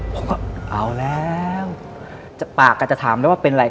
ผมก็เอาแล้วปากก็จะถามได้ว่าเป็นอะไร